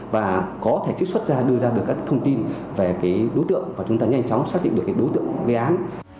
và có thể trích xuất ra đưa ra được các thông tin về đối tượng và chúng ta nhanh chóng xác định được đối tượng gây án